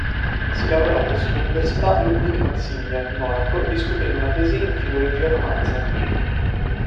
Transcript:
Si laureò presso l'Università Ludwig Maximilian di Monaco discutendo una tesi in filologia romanza.